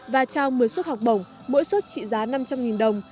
và trao một mươi suất học bổng mỗi suất trị giá năm trăm linh đồng